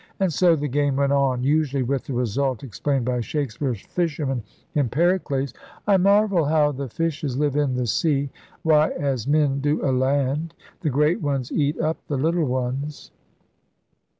And so the game went on, usually with the result explained by Shakespeare's fisherman in Pericles: *I marvel how the fishes live in the sea' — *Why, as men do a land: the great ones eat up the little ones.'